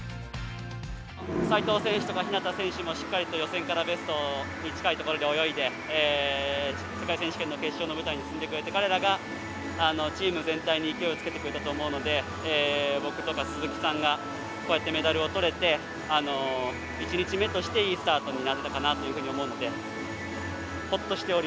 齋藤選手とか日向選手もしっかりと予選からベストに近いところで泳いで世界選手権の決勝の舞台に進んでくれて彼らがチーム全体に勢いをつけてくれたと思うので僕とか鈴木さんがこうやってメダルを取れて１日目としていいスタートになれたかなというふうに思うのでほっとしております。